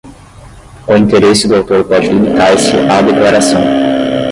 O interesse do autor pode limitar-se à declaração: